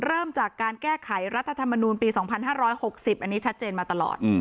เริ่มจากการแก้ไขรัฐธรรมนูลปี๒๕๖๐อันนี้ชัดเจนมาตลอด